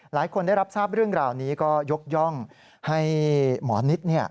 หลายคนได้รับทราบเรื่องราวนี้ก็ยกย่องให้หมอนิด